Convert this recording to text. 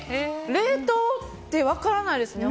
冷凍って分からないですね。